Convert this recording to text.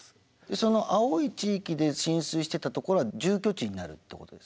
その青い地域で浸水してた所は住居地になるってことですか？